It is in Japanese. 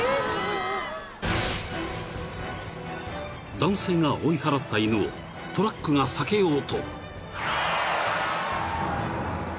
［男性が追い払った犬をトラックが避けようと］